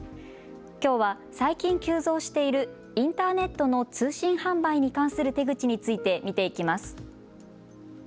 きょうは最近、急増しているインターネットの通信販売に関する手口について見ていきます。